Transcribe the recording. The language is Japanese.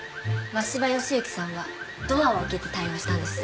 真柴義之さんはドアを開けて対応したんです。